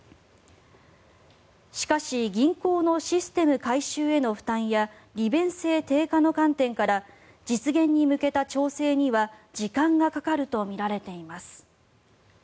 しかし銀行のシステム改修への負担や利便性低下の観点から実現に向けた調整には時間がかかるとみられています。